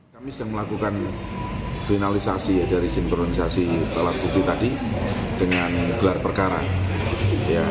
polisi sudah melakukan finalisasi dari simpulansi alat bukti tadi dengan gelar perkara